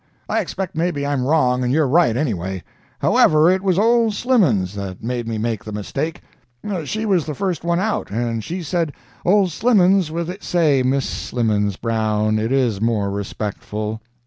I expect maybe I'm wrong and you're right, anyway. However, it was old Slimmens that made me make the mistake. She was the first one out, and she said—old Slimmens with the " "Say Miss Slimmens, Brown—it is more respectful.